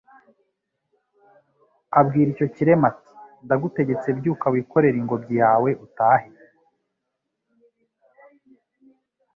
Abwira icyo kirema ati: «Ndagutegetse, byuka wikorere ingobyi yawe utahe.»